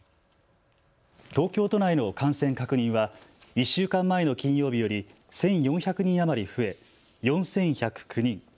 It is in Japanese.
東京都内の感染確認は１週間前の金曜日より１４００人余り増え４１０９人。